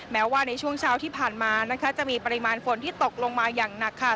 แม้ว่าในช่วงเช้าที่ผ่านมานะคะจะมีปริมาณฝนที่ตกลงมาอย่างหนักค่ะ